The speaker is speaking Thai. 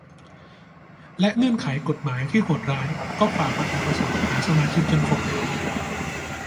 และเงื่อนไขกฎหมายที่โหดร้ายก็ฝ่าฟันอุปสรรคหาสมาชิกจนครบ